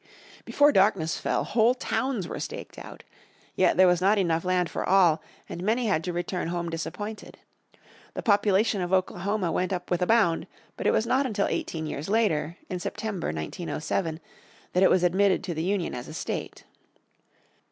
Before darkness fell whole towns were staked out. Yet there was not enough land for all and many had to return home disappointed. The population of Oklahoma went up with a bound but it was not until eighteen years later, in September, 1907, that it was admitted to the Union as a state.